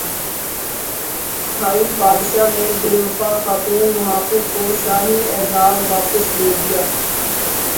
Thai بادشاہ نے بے وفا خاتون محافظ کو شاہی اعزاز واپس دے دیا